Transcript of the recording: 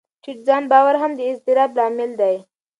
ټیټ ځان باور هم د اضطراب لامل دی.